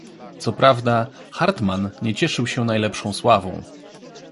"Co prawda, Hartmann nie cieszył się najlepszą sławą."